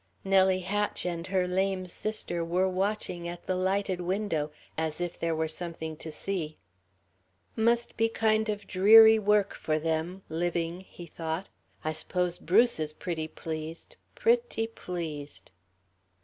Nellie Hatch and her lame sister were watching at the lighted window, as if there were something to see. "Must be kind of dreary work for them living," he thought, "... I s'pose Bruce is pretty pleased ... pretty pleased."